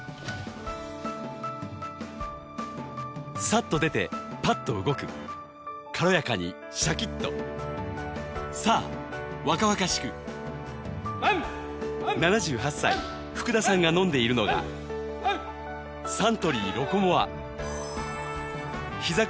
さっと出てパッと動く軽やかにシャキッと７８歳福田さんが飲んでいるのがサントリー「ロコモア」ひざ